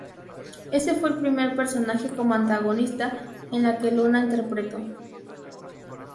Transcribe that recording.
Ese fue el primer personaje como antagonista en la que Luna interpretó.